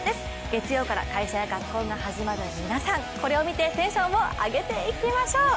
月曜から学校や会社が始まる皆さん、これを見て、テンションを上げていきましょう。